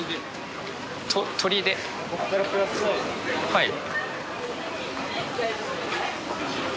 はい。